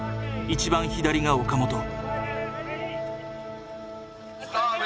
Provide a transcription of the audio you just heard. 一番左が岡本。